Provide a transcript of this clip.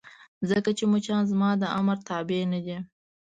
ځکه چې مچان زما د امر تابع نه دي.